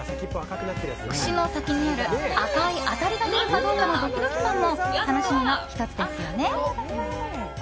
串の先にある赤い当たりが出るかどうかのドキドキ感も楽しみの１つですよね。